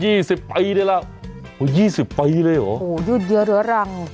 ยี่สิบปีเลยละอยี่สิบปีเลยหรอโหหยืดเดือดร้อยหรัง